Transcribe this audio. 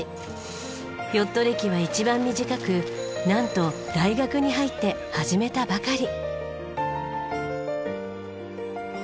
ヨット歴は一番短くなんと大学に入って始めたばかり。